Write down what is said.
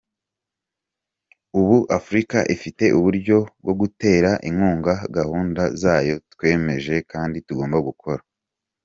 Ubu Afurika ifite uburyo bwo gutera inkunga gahunda zayo twemeje kandi tugomba gukora.”